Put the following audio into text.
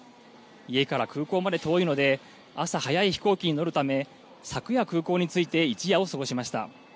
家から空港まで遠いので、朝早い飛行機に乗るため、昨夜空港に着いて一夜を過ごしました。